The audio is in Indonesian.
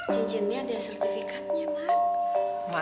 cincin ini ada sertifikatnya man